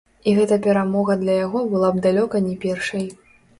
І гэта перамога для яго была б далёка не першай.